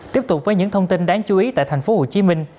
tiếp tục với những thông tin đáng chú ý tại thành phố hồ chí minh